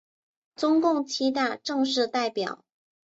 中共七大正式代表。